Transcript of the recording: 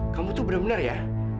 kamu tuh bener bener ya